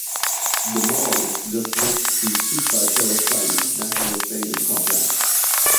The mall is just next to Supachalasai National Stadium complex.